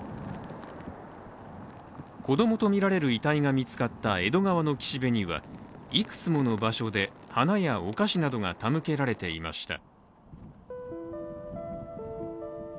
子供とみられる遺体が見つかった江戸川の岸辺にはいくつもの場所で花やお菓子などが手向けられていました。